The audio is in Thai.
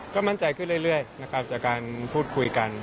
ก็มั่นใจขึ้นเรื่อยนะครับจากการพูดคุยกัน